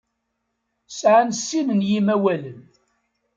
Sɛan sin n yimawalen.